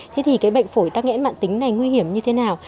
thế thì cái bệnh phổi tắc nghẽn mạng tính này nguy hiểm như thế nào